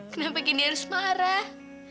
kenapa candy harus marah